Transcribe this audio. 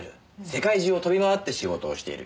世界中を飛びまわって仕事をしている。